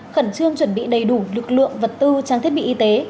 khẩn trương chuẩn bị đầy đủ lực lượng vật tư trang thiết bị y tế